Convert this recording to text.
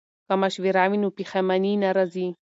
که مشوره وي نو پښیماني نه راځي.